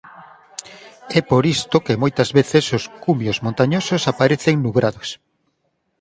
É por isto que moitas veces os cumios montañosos aparecen nubrados.